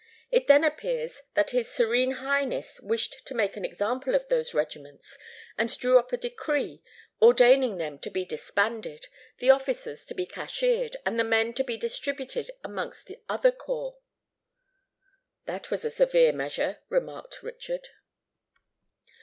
It then appears that his Serene Highness wished to make an example of those regiments, and drew up a decree ordaining them to be disbanded, the officers to be cashiered, and the men to be distributed amongst other corps." "That was a severe measure," remarked Richard.